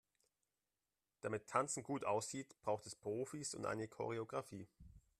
Damit Tanzen gut aussieht, braucht es Profis und eine Choreografie.